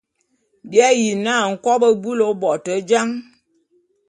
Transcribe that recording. Bi ayi na nkobô búlù ô bo te jan.